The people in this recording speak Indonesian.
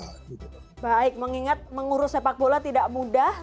baik mengingat mengurus sepak bola tidak mudah